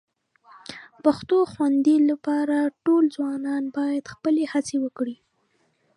پښتو خوندي لپاره ټول ځوانان باید خپلې هڅې وکړي